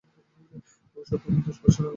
ও-সব আমি দশ বৎসর দেখে দেখে পাকা হয়ে গেছি।